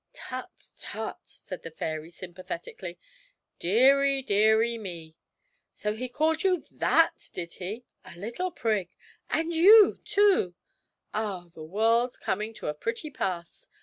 'Tut, tut!' said the fairy sympathetically, 'deary, deary me! So he called you that, did he? "a little prig"! And you, too! Ah, the world's coming to a pretty pass!